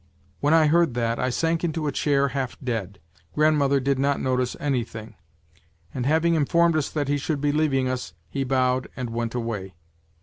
When I heard that, I sank into a chair half dead ; grandmother did not notice anything ; and having informed us that he should be leaving us, he bowed and went away.